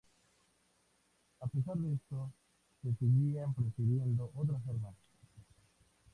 A pesar de esto, se seguían prefiriendo otras armas.